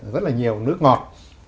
rất là nhiều nước ngọt